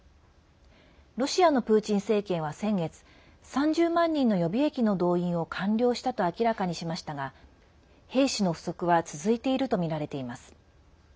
ロシアのプーチン政権は先月３０万人の予備役の動員を完了したと明らかにしましたが兵士の不足は続いているとみられています。